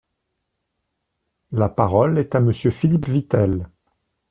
La parole est à Monsieur Philippe Vitel.